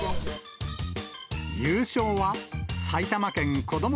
優勝は、埼玉県こども